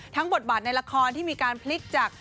บทบาทในละครที่มีการพลิกจาก